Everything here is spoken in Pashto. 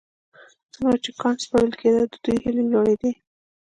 څومره چې کان سپړل کېده د دوی هيلې لوړېدې.